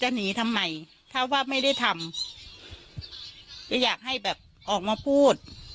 หนีทำไมถ้าว่าไม่ได้ทำจะอยากให้แบบออกมาพูด